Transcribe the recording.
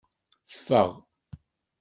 Ffeɣ.